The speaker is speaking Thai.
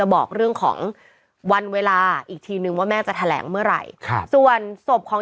บอกเรื่องของวันเวลาอีกทีนึงว่าแม่จะแถลงเมื่อไหร่ส่วนศพของ